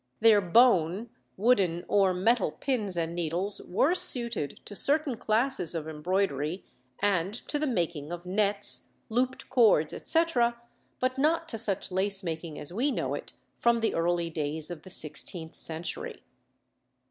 Their bone, wooden, or metal pins and needles were suited to certain classes of embroidery and to the making of nets, looped cords, etc., but not to such lace making as we know it from the early days of the sixteenth century.